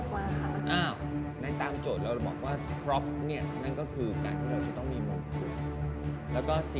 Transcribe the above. คุณไหนมันพูดเห็นคนที่เลือกรูปนี้มาสิ